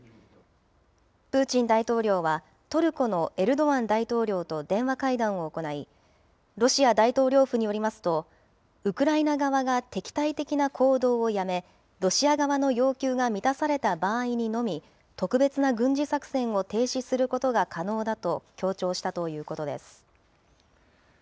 プーチン大統領は、トルコのエルドアン大統領と電話会談を行い、ロシア大統領府によりますと、ウクライナ側が敵対的な行動をやめ、ロシア側の要求が満たされた場合にのみ、特別な軍事作戦を停止することが可能だと強調したということです。